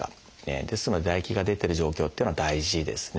ですので唾液が出てる状況というのは大事ですね。